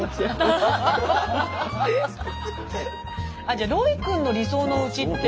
じゃロイ君の理想のおうちって？